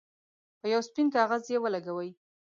په یو سپین کاغذ یې ولګوئ.